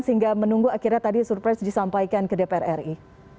sehingga menunggu akhirnya tadi surprise disampaikan ke dpr ri